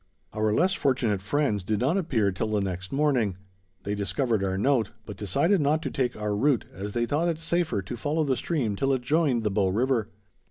Our less fortunate friends did not appear till the next morning. They discovered our note, but decided not to take our route, as they thought it safer to follow the stream till it joined the Bow River.